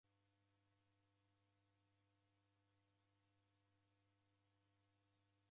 Jesu ukacha udiw'usa diw'ose.